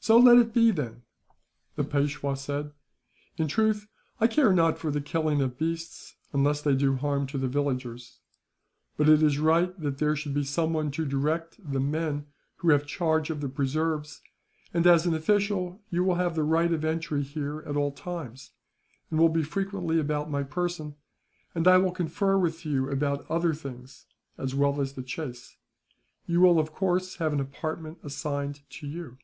"So let it be, then," the Peishwa said. "In truth, I care not for the killing of beasts, unless they do harm to the villagers. But it is right that there should be someone to direct the men who have charge of the preserves and, as an official, you will have the right of entry here at all times, and will be frequently about my person; and I will confer with you about other things, as well as the chase. You will, of course, have an apartment assigned to you.